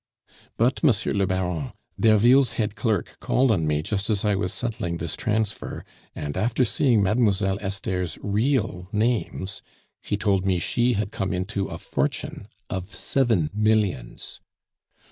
"But, Monsieur le Baron, Derville's head clerk called on me just as I was settling this transfer; and after seeing Mademoiselle Esther's real names, he told me she had come into a fortune of seven millions."